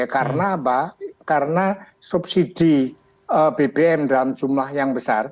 karena apa karena subsidi bbm dalam jumlah yang besar